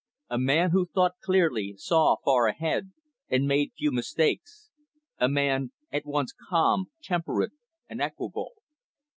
A man who thought clearly, saw far ahead, and made few mistakes, a man at once calm, temperate, and equable.